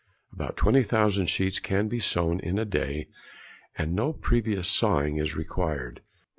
About 20,000 sheets can be sewn in a day, and no previous sawing is required.